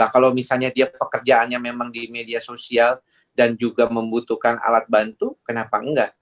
kalau misalnya dia pekerjaannya memang di media sosial dan juga membutuhkan alat bantu kenapa enggak